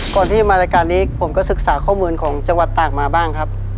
ก่อนที่จะมารายการนี้ผมก็ศึกษาข้อมูลของจังหวัดตากมาบ้างครับ